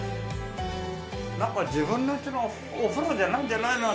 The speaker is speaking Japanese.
なんか自分の家のお風呂じゃないんじゃないの？